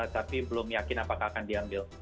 tapi belum yakin apakah akan diambil